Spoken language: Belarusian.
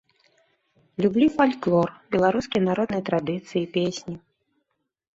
Люблю фальклор, беларускія народныя традыцыі, песні.